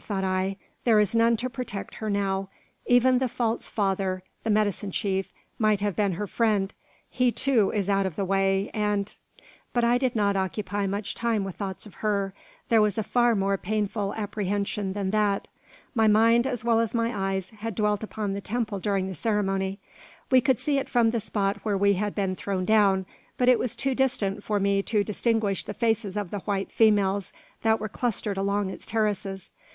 thought I: "there is none to protect her now. Even the false father, the medicine chief, might have been her friend. He, too, is out of the way, and " But I did not occupy much time with thoughts of her; there was a far more painful apprehension than that. My mind, as well as my eyes, had dwelt upon the temple during the ceremony. We could see it from the spot where we had been thrown down; but it was too distant for me to distinguish the faces of the white females that were clustered along its terraces.